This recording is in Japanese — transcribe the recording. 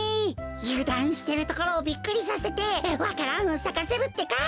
ゆだんしてるところをビックリさせてわか蘭をさかせるってか。